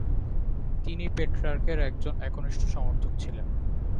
তিনি পেটরার্কের একজন একনিষ্ঠ সমর্থক ছিলেন।